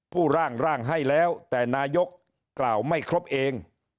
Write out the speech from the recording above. ผู้ร่างร่างให้แล้วแต่นายกกล่าวไม่ครบเอง